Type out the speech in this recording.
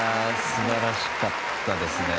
素晴らしかったですね。